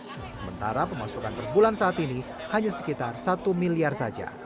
sementara pemasukan per bulan saat ini hanya sekitar satu miliar saja